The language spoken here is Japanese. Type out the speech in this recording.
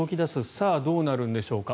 さあ、どうなるんでしょうか。